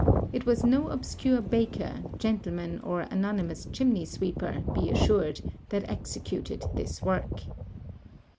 It was no obscure baker, gentlemen, or anonymous chinmey sweeper, be assured, that executed this work.